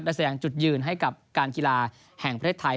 แสดงจุดยืนให้กับการกีฬาแห่งประเทศไทย